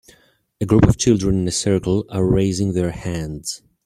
A group of children in a circle are raising their hands.